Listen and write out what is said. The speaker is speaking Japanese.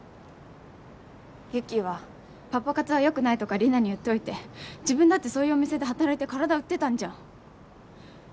雪はパパ活はよくないとかリナに言っておいて自分だってそういうお店で働いて体売ってたんじゃん。